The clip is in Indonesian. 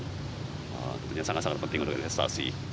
tentunya sangat sangat penting untuk investasi